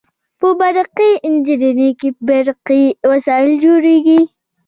په برقي انجنیری کې برقي وسایل جوړیږي.